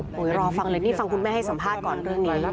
โอ้โหรอฟังเลยนี่ฟังคุณแม่ให้สัมภาษณ์ก่อนเรื่องนี้